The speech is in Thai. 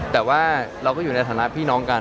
แต่เราอยู่ในฐานะทหารพี่น้องกัน